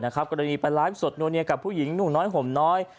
กรณีไปไลฟ์สดนัวเนียกับผู้หญิงหนุ่มน้อยห่มน้อย